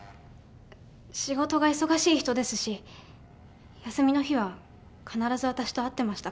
仕事が忙しい人ですし休みの日は必ず私と会ってましたから。